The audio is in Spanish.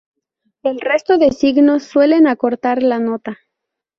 El resto de signos suelen acortar la nota.